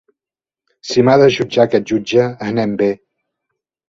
“Si m’ha de jutjat aquest jutge, anem bé!”